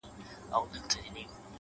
• د زمري داسي تابع وو لکه مړی,